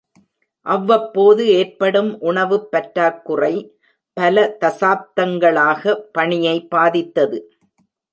அவ்வப்போது ஏற்படும் உணவுப் பற்றாக்குறை பல தசாப்தங்களாக பணியை பாதித்தது.